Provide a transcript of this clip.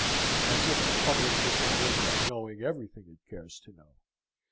As if the public does not end by knowing everything it cares to know.